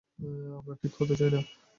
আমরা ঠিক হতে চাই না।